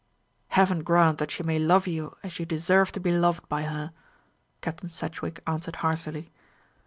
"Heaven grant that she may love you as you deserve to be loved by her!" Captain Sedgewick answered heartily.